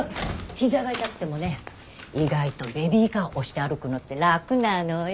膝が痛くてもね意外とベビーカー押して歩くのって楽なのよ。